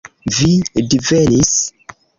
Vi divenis.